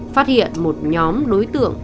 phát hiện một nhóm đối tượng